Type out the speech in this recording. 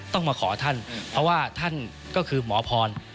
ต้องมาขอท่านเพราะว่าท่านก็คือหมอพร